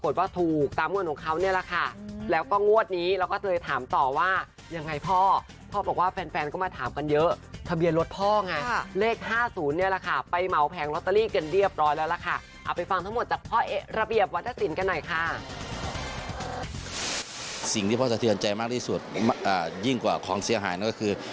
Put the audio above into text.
สิ่งที่พ่อสะทืนกันใจว่าอย่างกว่าความเสียหายก็คือ